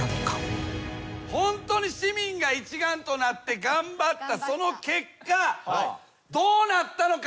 ホントに市民が一丸となって頑張ったその結果どうなったのか？